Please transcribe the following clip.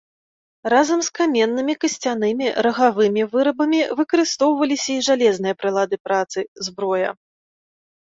Разам з каменнымі, касцянымі, рагавымі вырабамі выкарыстоўваліся і жалезныя прылады працы, зброя.